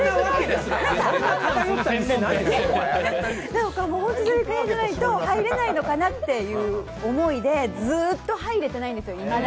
それぐらいじゃないと入れないのかなという思いでずーっと入れてないんですよ。